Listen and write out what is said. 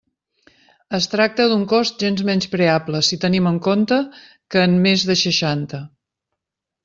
Es tracta d'un cost gens menyspreable, si tenim en compte que en més de seixanta.